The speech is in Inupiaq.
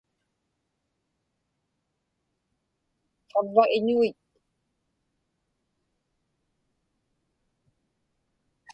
qavva iñuit